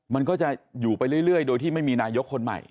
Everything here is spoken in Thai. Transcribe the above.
มันก็จะอยู่ไปเรื่อยโดยที่ไม่มีนายกคนใหม่